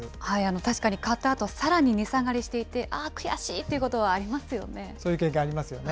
確かに買ったあと、さらに値下がりしていて、あー、悔しいとそういう経験ありますよね。